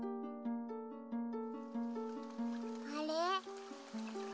あれ？